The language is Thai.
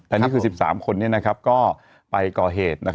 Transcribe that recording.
แต่นี่คือ๑๓คนก็ไปก่อเหตุ